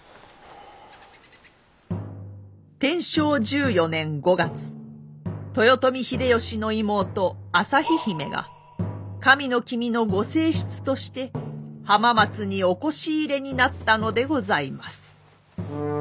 天正１４年５月豊臣秀吉の妹旭姫が神の君のご正室として浜松におこし入れになったのでございます。